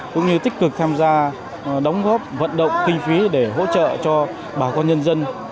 cũng như tích cực tham gia đóng góp vận động kinh phí để hỗ trợ cho bà con nhân dân